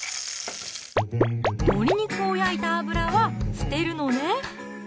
鶏肉を焼いた油は捨てるのね